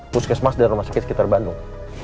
puskesmas dan rumah sakit sekitar bandung